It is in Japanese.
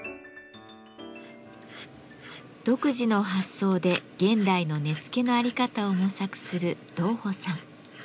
独自の発想で現代の根付のあり方を模索する道甫さん。